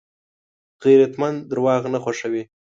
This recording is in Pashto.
غیرتمند درواغ نه خوښوي